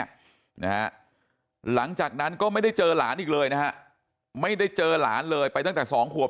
นะฮะหลังจากนั้นก็ไม่ได้เจอหลานอีกเลยนะฮะไม่ได้เจอหลานเลยไปตั้งแต่สองขวบ